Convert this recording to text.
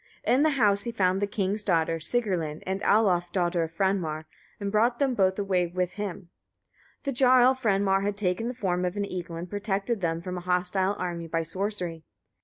In the house he found the king's daughter Sigrlinn, and Alof daughter of Franmar, and brought them both away with him. The jarl Franmar had taken the form of an eagle, and protected them from a hostile army by sorcery.